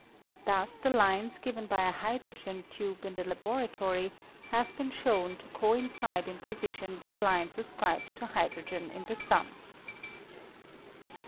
Thus the lines given by a hydrogen tube in the laboratory have been shown to coincide in position with lines ascribed to hy drogen in the Sun.